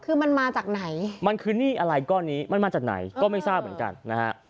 คือมันมาจากไหนมันคือหนี้อะไรก้อนนี้มันมาจากไหนก็ไม่ทราบเหมือนกันนะฮะ